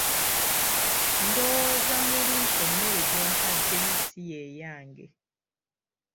Ndowooza muli nti emmere gy'ompaddemu si ye yange.